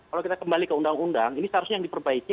kalau kita kembali ke undang undang ini seharusnya yang diperbaiki